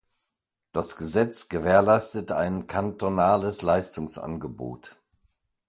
Das Gesetz gewährleistet ein kantonales Leistungsangebot.